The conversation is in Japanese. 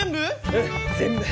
うん全部。